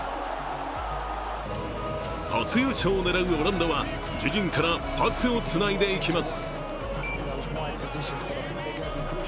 初優勝を狙うオランダは自陣からパスをつないでいきます。